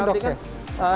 satu senok boleh